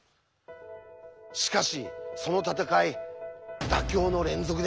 しかしその闘い妥協の連続でした。